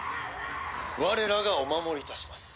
「我らがお守りいたします」